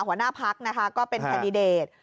หัวหน้าพักนะคะก็เป็นแคนดิเดต